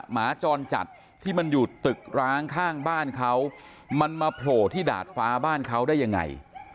หมาจรจัดที่มันอยู่ตึกร้างข้างบ้านเขามันมาโผล่ที่ดาดฟ้าบ้านเขาได้ยังไง